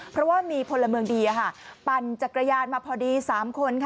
เพราะว่ามีพลเมืองดีปั่นจักรยานมาพอดี๓คน